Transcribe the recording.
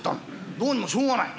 どうにもしょうがない。